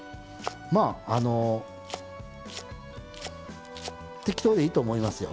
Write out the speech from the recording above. まああの適当でいいと思いますよ。